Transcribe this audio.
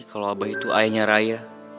kalau abah itu ayahnya raya